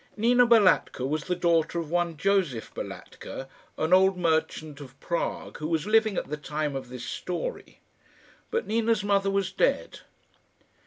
Nina Balatka was the daughter of one Josef Balatka, an old merchant of Prague, who was living at the time of this story; but Nina's mother was dead.